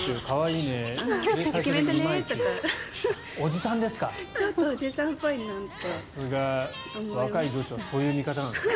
さすが、若い女子はそういう見方なんですね。